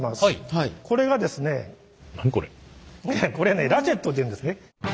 これねラチェットっていうんですね。